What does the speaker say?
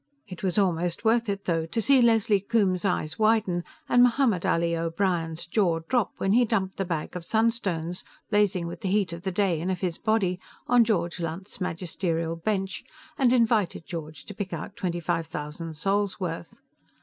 It was almost worth it, though, to see Leslie Coombes's eyes widen and Mohammed Ali O'Brien's jaw drop when he dumped the bag of sunstones, blazing with the heat of the day and of his body, on George Lunt's magisterial bench and invited George to pick out twenty five thousand sols' worth.